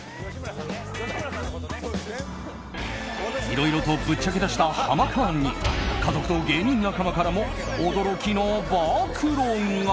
いろいろとぶっちゃけ出したハマカーンに家族と芸人仲間からも驚きの暴露が。